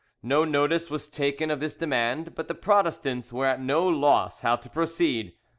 No notice was taken of this demand; but the Protestants were at no loss how to proceed.